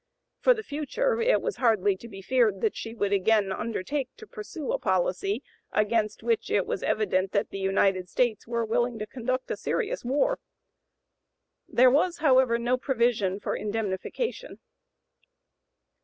For the future it was hardly to be feared that she would again undertake to pursue a policy against which it was evident that the United States were willing to conduct a serious war. There was, however, no provision for indemnification.